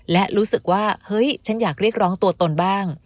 และรู้สึกว่าเฮ้ยฉันอยากเรียกร้องตัวตนบ้าง